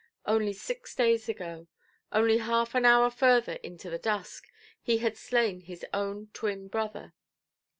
Only six days ago, only half an hour further into the dusk, he had slain his own twin–brother.